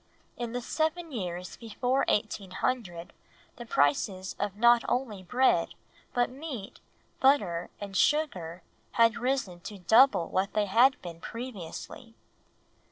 In the seven years before 1800 the prices of not only bread, but meat, butter, and sugar, had risen to double what they had been previously.